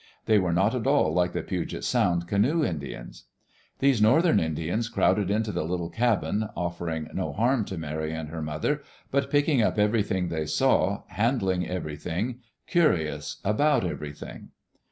They were not at all like the Puget Sound canoe Indians. These northern Indians crowded into the little cabin, offering no harm to Mary and her mother, but picking up everything they saw, handling everything, curious about everything.